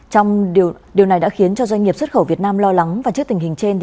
trong điều này đã khiến cho doanh nghiệp xuất khẩu việt nam lo lắng và trước tình hình trên